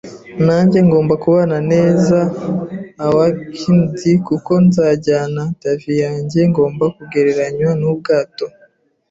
nanjye nkwiye kubana neza, Hawkins, kuko nzajyana davy yanjye ngomba kugereranywa nubwato